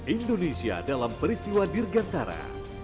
indonesia dalam peristiwa dirgantara